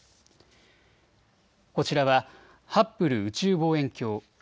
こちらはハッブル宇宙望遠鏡。